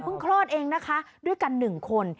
คลอดเองนะคะด้วยกัน๑คน